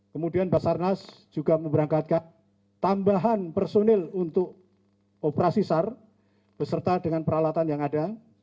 kemudian basarnas juga memberangkatkan tambahan personil untuk operasi sar beserta dengan peralatan yang ada